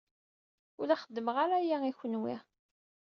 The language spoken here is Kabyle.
Ur la xeddmeɣ ara aya i kenwi.